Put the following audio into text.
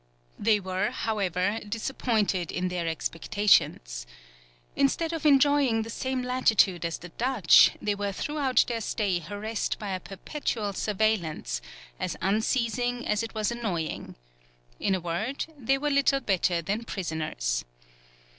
They were, however, disappointed in their expectations. Instead of enjoying the same latitude as the Dutch, they were throughout their stay harassed by a perpetual surveillance, as unceasing as it was annoying. In a word, they were little better than prisoners.